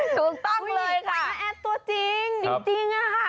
ถูกต้องเลยค่ะน้าแอดตัวจริงจริงค่ะ